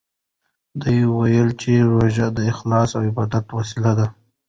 ده وویل چې روژه د اخلاص او عبادت وسیله ده.